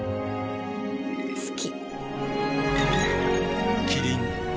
好き。